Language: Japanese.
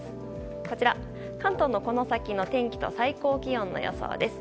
こちら、関東のこの先の天気と最高気温の予想です。